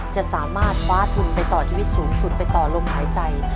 จะสามารถคว้าทุนไปต่อชีวิตสูงสุดไปต่อลมหายใจ